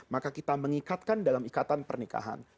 maka kita mengikatkan dalam ikatan pernikahan